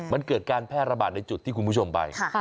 มันเกิดการแพร่ระบาดในจุดที่คุณผู้ชมไป